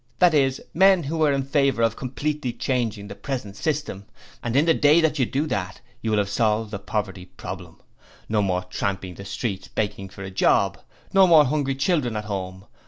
That is with men who are in favour of completely changing the present system. And in the day that you do that, you will have solved the poverty "problem". No more tramping the streets begging for a job! No more hungry children at home.